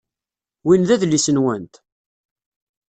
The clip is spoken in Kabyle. Win d adlis-nwent?